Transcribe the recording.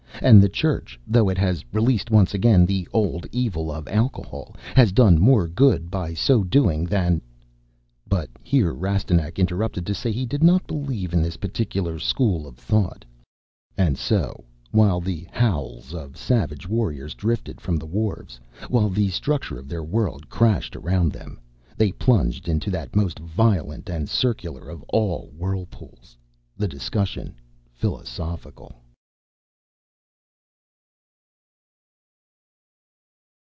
And the Church, though it has released once again the old evil of alcohol, has done more good by so doing than...." But here Rastignac interrupted to say he did not believe in this particular school of thought, and so, while the howls of savage warriors drifted from the wharfs, while the structure of their world crashed around them, they plunged into that most violent and circular of all whirlpools the Discussion Philosophical.